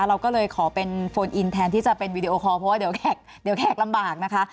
เราก็เลยขอเป็นโฟนอินแทนที่จะเป็นวีดีโอคอลเพราะว่าเดี๋ยวแขกลำบากนะคะ